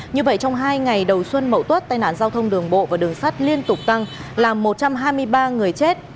như vậy trong hai ngày đầu xuân mậu tuất tai nạn giao thông đường bộ và đường sắt liên tục tăng làm một trăm hai mươi ba người chết